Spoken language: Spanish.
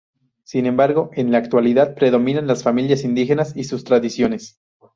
Sin embargo en la actualidad predominan las familias indígenas y sus tradiciones.